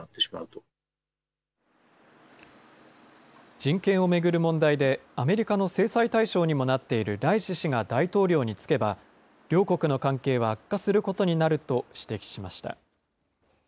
人権を巡る問題で、アメリカの制裁対象にもなっているライシ師が大統領に就けば、両国の関係は悪化することになると指摘しました。